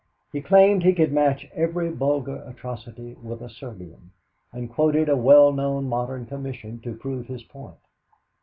He claimed he could match every Bulgar atrocity with a Serbian, and quoted a well known modern commission to prove his point.